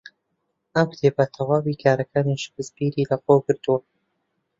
ئەم کتێبە تەواوی کارەکانی شکسپیری لەخۆ گرتووە.